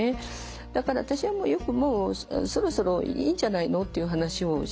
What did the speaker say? だから私はよくもうそろそろいいんじゃないの？っていう話をします。